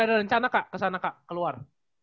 ada rencana kak kesana kak keluar